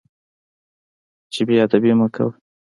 چې بې ادبي مه کوه.